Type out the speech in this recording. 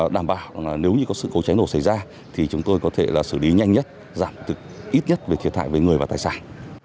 đảm bảo nếu có sự cấu tránh đổ xảy ra chúng tôi có thể xử lý nhanh nhất giảm ít nhất thiệt hại với người và tài sản